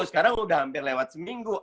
sekarang udah hampir lewat seminggu